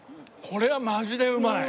これはマジでうまい。